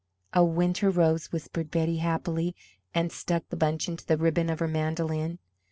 "A winter rose," whispered Betty, happily, and stuck the bunch into the ribbon of her mandolin.